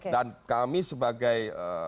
dan kami sebagai